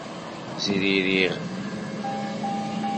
Zririɣ.